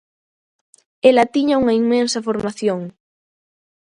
Ela tiña unha inmensa formación.